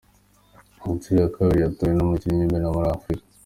Ku nshuro ya kabiri yatowe nk’umukinnyi w’imena muri Afurika